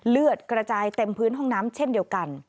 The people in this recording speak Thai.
เลือดกระจายเต็มพื้นห้องน้ำเช่นเดียวกัน